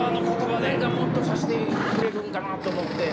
なんか、もっと刺してくれるんかなと思って。